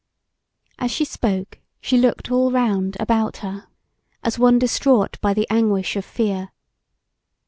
As she spoke she looked all round about her, as one distraught by the anguish of fear.